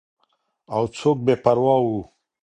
او څوک بې پروا وو.